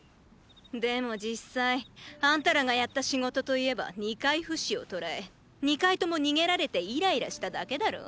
でも実際あんたらがやった仕事といえば二回フシを捕らえ二回とも逃げられてイライラしただけだろ？